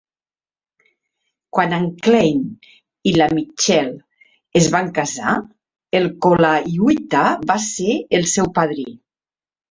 Quan en Klein i la Mitchell es van casar, en Colaiuta va ser el seu padrí.